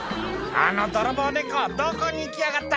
「あの泥棒猫どこに行きやがった？」